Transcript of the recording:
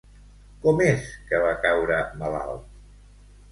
Com és que va caure malalt?